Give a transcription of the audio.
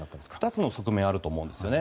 ２つの側面があると思うんですよね。